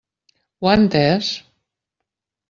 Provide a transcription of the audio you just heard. Ho ha entès?